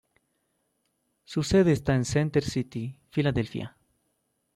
Su sede está en Center City, Filadelfia.